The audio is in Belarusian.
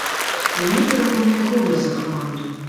Мяне перапаўняе гонар за каманду.